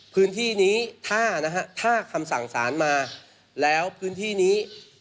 พื้นที่นี้ถ้านะฮะถ้าคำสั่งสารมาแล้วพื้นที่นี้